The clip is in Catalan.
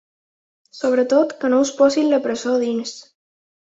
Sobretot, que no us posin la presó a dins.